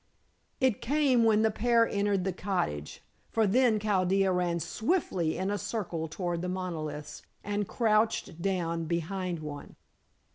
It came when the pair entered the cottage, for then Chaldea ran swiftly in a circle toward the monoliths, and crouched down behind one.